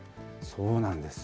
そうなんです。